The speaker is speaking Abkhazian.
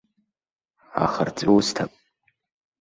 Ахырҵәы усҭап?